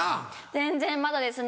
全然まだですね